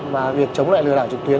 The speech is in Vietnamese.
và việc chống lại lừa đảo trực tuyến